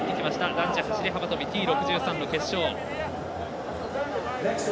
男子走り幅跳びＴ６３の決勝。